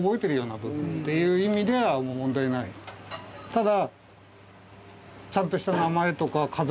ただ。